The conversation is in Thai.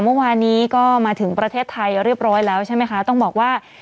เมื่อวานนี้ก็มาถึงประเทศไทยเรียบร้อยแล้วใช่ไหมคะต้องบอกว่า